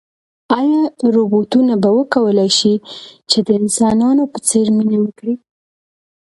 ایا روبوټونه به وکولای شي چې د انسانانو په څېر مینه وکړي؟